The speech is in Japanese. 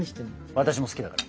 私も好きだから。